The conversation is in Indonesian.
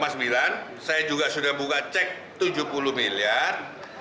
saya juga sudah buka cek tujuh puluh miliar